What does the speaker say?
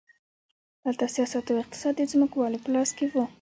دلته سیاست او اقتصاد د ځمکوالو په لاس کې وو.